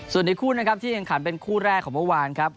ส่วนอีกคู่นะครับที่แข่งขันเป็นคู่แรกของเมื่อวานครับ